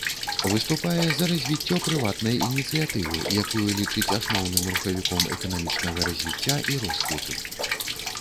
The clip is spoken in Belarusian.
Выступае за развіццё прыватнай ініцыятывы, якую лічыць асноўным рухавіком эканамічнага развіцця і росквіту.